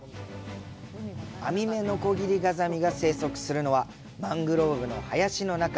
アミメノコギリガザミが生息するのはマングローブの林の中。